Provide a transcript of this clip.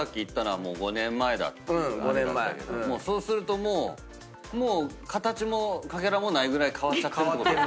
そうするともうもう形もかけらもないぐらい変わっちゃってるってこと。